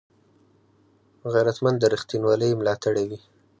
غیرتمند د رښتینولۍ ملاتړی وي